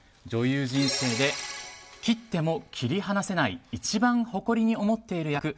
女優人生で切っても切り離せない一番誇りに思っている役